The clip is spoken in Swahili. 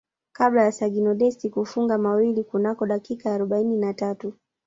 kabla ya Sergino Dest kufunga mawili kunako dakika ya arobaini na tatu